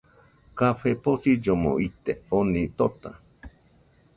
Café posillomo ite , oni tota